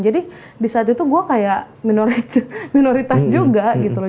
jadi disaat itu gue kayak minoritas juga gitu loh